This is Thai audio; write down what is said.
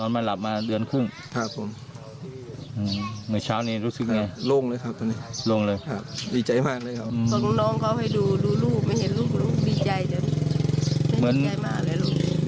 บริใจเจอไม่รู้ใจมาหรือลูก